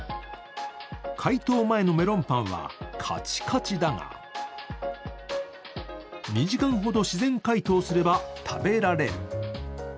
解凍前のメロンパンはカチカチだが、２時間ほど自然解凍すれば食べられる。